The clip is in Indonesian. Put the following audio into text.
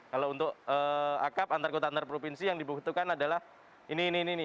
kalau untuk akap antar kota antar provinsi yang dibutuhkan adalah ini ini ini